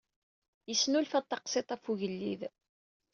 Yesnulfa-d taqsiṭ ɣef ugellid.